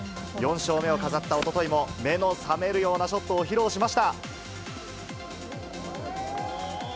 ４勝目を飾ったおとといも、目の覚めるようなショットを披露しました。